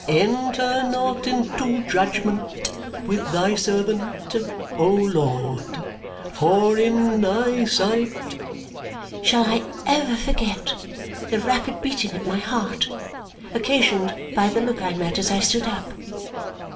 "'Enter not into judgment with thy servant, O Lord, for in thy sight '" Shall I ever forget the rapid beating at my heart, occasioned by the look I met as I stood up!